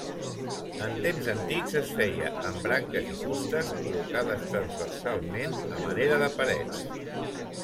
En temps antics es feia amb branques i fustes col·locades transversalment a manera de parets.